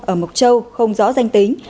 ở mộc châu không rõ danh tính